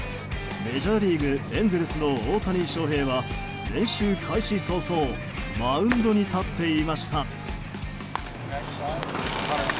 メジャーリーグエンゼルスの大谷翔平は練習開始早々マウンドに立っていました。